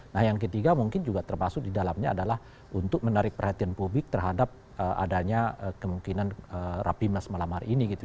nah yang ketiga mungkin juga termasuk di dalamnya adalah untuk menarik perhatian publik terhadap adanya kemungkinan rapimnas malam hari ini gitu